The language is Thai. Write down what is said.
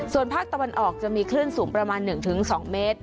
ส่วนภาคตะวันออกจะมีคลื่นสูงประมาณ๑๒เมตร